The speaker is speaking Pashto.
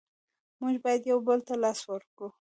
مونږ باید یو بل ته لاس ورکړو.